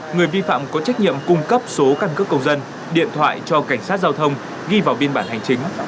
người vi phạm có trách nhiệm cung cấp số căn cước công dân điện thoại cho cảnh sát giao thông ghi vào biên bản hành chính